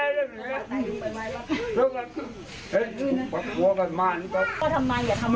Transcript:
เสียใจไหม